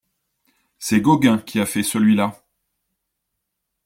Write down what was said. C’est Gauguin qui a fait celui-là.